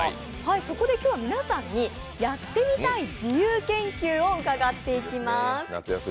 そこで今日は皆さんにやってみたい自由研究を伺っていきます。